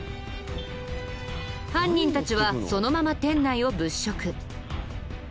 犯人たちはそのまま店内を物色。